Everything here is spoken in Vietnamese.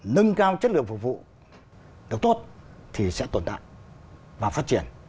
nâng cao chất lượng phục vụ được tốt thì sẽ tồn tại và phát triển